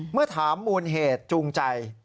เมื่อถามมูลเหตุจูงใจ